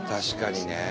確かにね。